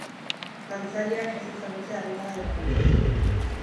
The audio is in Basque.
Dantzariak ez ezagutzea erronka da berarentzat.